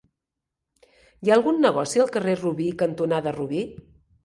Hi ha algun negoci al carrer Robí cantonada Robí?